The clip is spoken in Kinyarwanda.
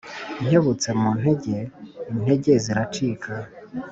Nkebutse mu ntege intege ziracika